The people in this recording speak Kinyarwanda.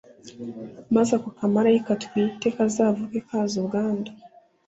maze ako kamarayika utwite kazavuke kazira ubwandu.